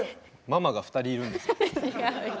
ママが２人いるんですよ。